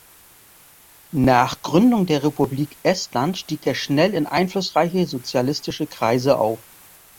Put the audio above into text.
Nach Gründung der Republik Estland stieg er schnell in einflussreiche sozialistische Kreise auf.